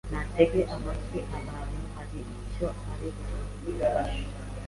ntatege amatwi abantu hari icyo ari bubafashe